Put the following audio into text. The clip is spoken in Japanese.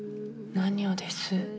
何をです？